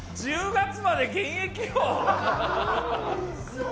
１０月まで現役よ。